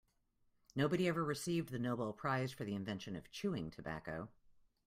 Nobody ever received the Nobel prize for the invention of chewing tobacco.